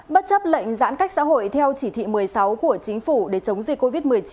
bất chấp lệnh giãn cách xã hội theo chỉ thị một mươi sáu của chính phủ để chống dịch covid một mươi chín